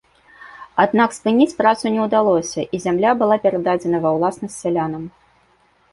Аднак, спыніць працу не ўдалося і зямля была перададзена ва ўласнасць сялянам.